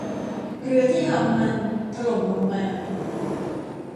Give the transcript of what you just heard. เรือที่ฮัลล์มันถล่มลงมา